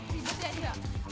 dibet ya dio